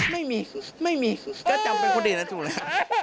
ไม่มีไม่มีก็จำเป็นคนอื่นน่ะถูกเลยค่ะ